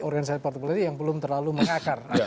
organisasi partai politik yang belum terlalu mengakar